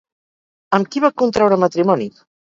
Amb qui va contraure matrimoni?